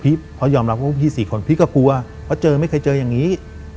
เพราะยอมรับว่าพี่๔คนพี่ก็กลัวเพราะเจอไม่เคยเจออย่างนี้